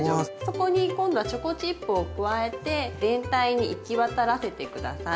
そこに今度はチョコチップを加えて全体に行き渡らせて下さい。